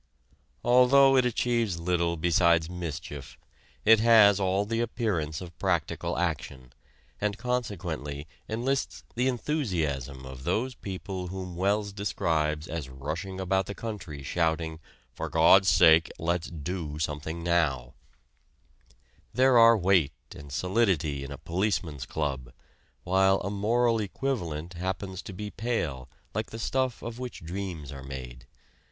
Although it achieves little besides mischief, it has all the appearance of practical action, and consequently enlists the enthusiasm of those people whom Wells describes as rushing about the country shouting: "For Gawd's sake let's do something now." There are weight and solidity in a policeman's club, while a "moral equivalent" happens to be pale like the stuff of which dreams are made.